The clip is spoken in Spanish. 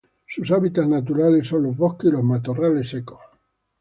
Sus hábitats naturales son los bosques y matorrales secos.